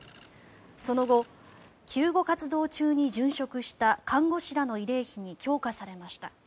その後、救護活動中に殉職した看護師らの慰霊碑に供花されました。